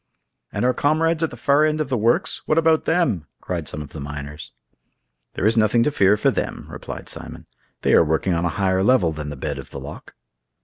"And our comrades at the far end of the works—what about them?" cried some of the miners. "There is nothing to fear for them," replied Simon; "they are working on a higher level than the bed of the loch."